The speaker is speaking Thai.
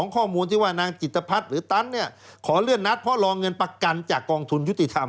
ข้อมูลที่ว่านางจิตภัทรหรือตันเนี่ยขอเลื่อนนัดเพราะรอเงินประกันจากกองทุนยุติธรรม